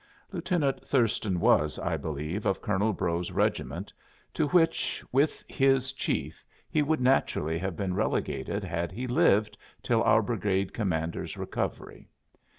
Lieutenant Thurston was, I believe, of Colonel Brough's regiment, to which, with his chief, he would naturally have been relegated had he lived till our brigade commander's recovery.